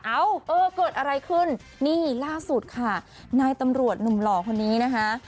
เอ้าเออเกิดอะไรขึ้นนี่ล่าสุดค่ะนายตำรวจหนุ่มหล่อคนนี้นะคะ